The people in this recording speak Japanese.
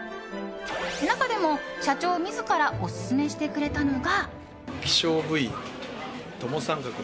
中でも社長自らオススメしてくれたのが。